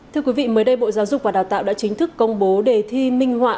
thưa quý vị mới đây bộ giáo dục và đào tạo đã chính thức công bố đề thi minh họa